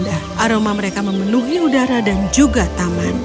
aroma mereka memenuhi udara dan juga taman